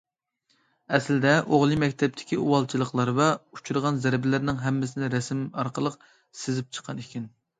ئەسلىدە ئوغلى مەكتەپتىكى ئۇۋالچىلىقلار ۋە ئۇچرىغان زەربىلەرنىڭ ھەممىسىنى رەسىم ئارقىلىق سىزىپ چىققان ئىكەن.